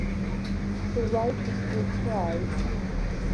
The right was called prise.